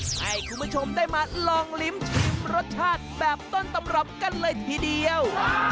ให้คุณผู้ชมได้มาลองลิ้มชิมรสชาติแบบต้นตำรับกันเลยทีเดียว